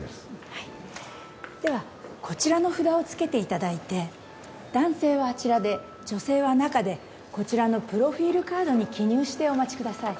はいではこちらの札を付けていただいて男性はあちらで女性は中でこちらのプロフィールカードに記入してお待ちください